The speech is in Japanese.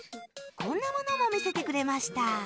こんなものも見せてくれました